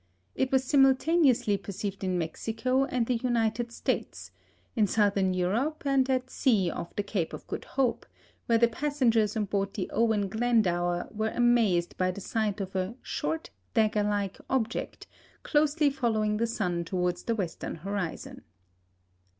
It was simultaneously perceived in Mexico and the United States, in Southern Europe, and at sea off the Cape of Good Hope, where the passengers on board the Owen Glendower were amazed by the sight of a "short, dagger like object," closely following the sun towards the western horizon.